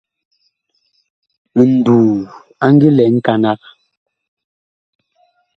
Nduu a ngi lɛ nkanag.